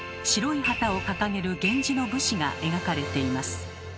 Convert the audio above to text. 白い旗を掲げる源氏の武士が描かれています。